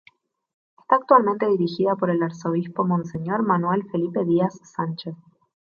Está actualmente dirigida por el arzobispo Monseñor Manuel Felipe Díaz Sánchez.